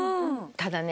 ただね